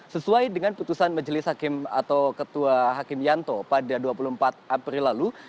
sesuai dengan putusan majelis hakim atau ketua hakim yanto pada dua puluh empat april lalu